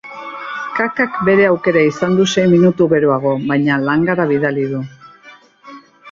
Kakak bere aukera izan du sei minutu geroago, baina langara bidali du.